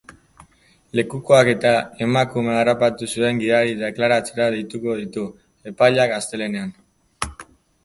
Lekukoak eta emakumea harrapatu zuen gidaria deklaratzera deituko ditu epaileak astelehenean.